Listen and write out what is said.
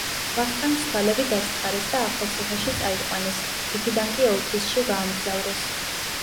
ვახტანგს თვალები დასთხარეს და ახალციხეში წაიყვანეს, იქიდან კი ოლთისში გაამგზავრეს.